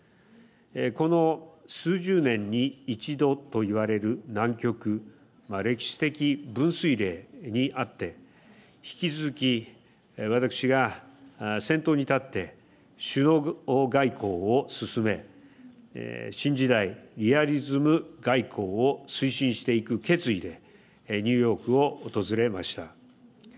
この数十年に一度といわれる難局、歴史的分水れいにあって引き続き私が先頭に立って首脳外交を進め新時代リアリズム外交を推進していく決意でニューヨークを訪れました。